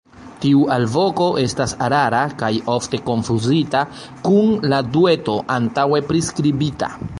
Tiu alvoko estas rara, kaj ofte konfuzita kun la 'dueto' antaŭe priskribita.